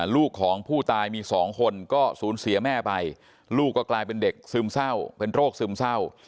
ลูกของผู้ตายมีสองคนก็สูญเสียแม่ไปลูกก็กลายเป็นเด็กซึมเศร้าเป็นโรคซึมเศร้า